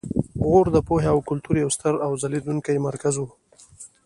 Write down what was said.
غور د پوهې او کلتور یو ستر او ځلیدونکی مرکز و